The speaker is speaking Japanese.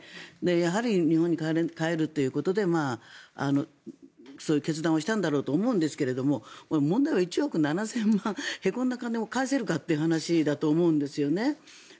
やはり日本に帰るということでそういう決断をしたんだろうと思うんですが問題は１億７０００前へこんだ金を返せるかという話だと思うんですよね。